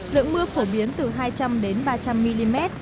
lượng mưa phổ biến từ hai trăm linh đến ba trăm linh mm